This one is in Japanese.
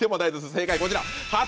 正解こちら。